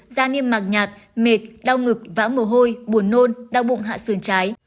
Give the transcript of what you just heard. da niêm mạc nhạt mệt đau ngực vã mồ hôi buồn nôn đau bụng hạ sườn trái